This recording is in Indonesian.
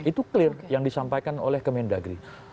itu clear yang disampaikan oleh ke mendagri